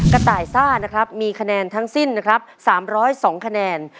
กระต่ายซ่านะครับมีคะแนนทั้งสิ้นนะครับ๓๐๒คะแนน